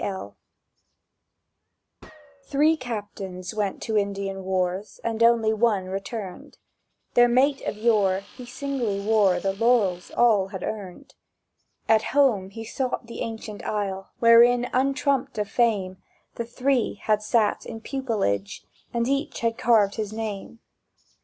L—. THREE captains went to Indian wars, And only one returned: Their mate of yore, he singly wore The laurels all had earned. At home he sought the ancient aisle Wherein, untrumped of fame, The three had sat in pupilage, And each had carved his name.